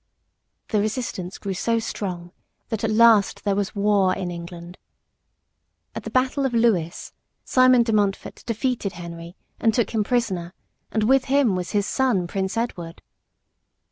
The resistance grew so strong that at last there was war in England. At the Battle of Lewes, Simon de Montfort defeated Henry and took him prisoner, and with him was his son, Prince Edward.